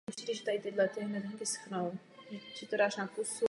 Byl bych rád, kdybychom tuto záležitost podrobněji prodiskutovali.